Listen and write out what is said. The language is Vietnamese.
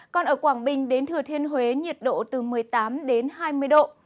còn ở quảng bình đến thừa thiên huế nhiệt độ từ một mươi tám đến hai mươi độ